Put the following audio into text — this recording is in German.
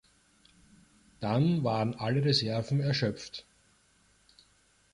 Dann waren alle Reserven erschöpft.